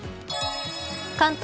関東